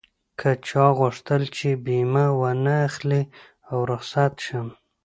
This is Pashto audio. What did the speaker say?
که چا غوښتل چې بيمه و نه اخلي او رخصت شم.